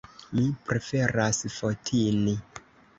Mi preferas Fotini.